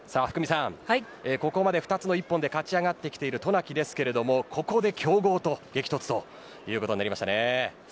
ここまで２つの一本で勝ち上がってきている渡名喜ですがここで強豪と激突ということになりましたね。